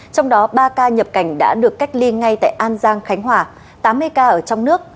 trong đó ba ca nhập cảnh đã được cách ly ngay tại an giang khánh hòa tám mươi ca ở trong nước